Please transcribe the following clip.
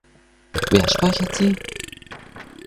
Wer speichert sie?